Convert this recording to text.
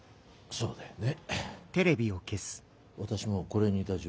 そうよね。